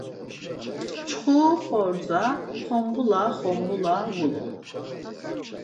Mçxu xordza xombula xombula gulun.